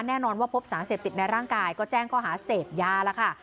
แน่นอนว่าพบสารเสพติดในร่างกายก็แจ้งข้อหาเสพยาแล้วค่ะ